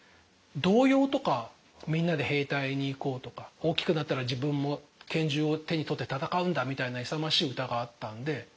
童謡とかみんなで兵隊に行こうとか大きくなったら自分も拳銃を手に取って戦うんだみたいな勇ましい歌があったんで。